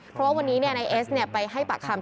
เพราะวันนี้เนี่ยในเอสเนี่ยไปให้ปากคำ